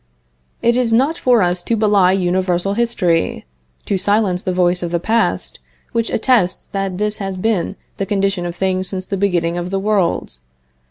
It is not for us to belie universal history, to silence the voice of the past, which attests that this has been the condition of things since the beginning of the world.